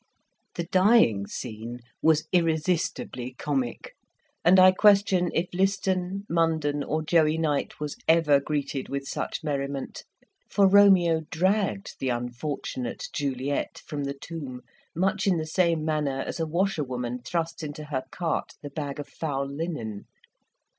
The dying scene was irresistibly comic, and I question if Liston, Munden, or Joey Knight, was ever greeted with such merriment; for Romeo dragged the unfortunate Juliet from the tomb, much in the same manner as a washerwoman thrusts into her cart the bag of foul linen.